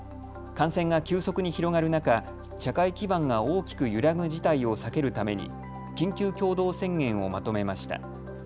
感染が急速に広がる中、社会基盤が大きく揺らぐ事態を避けるために緊急共同宣言をまとめました。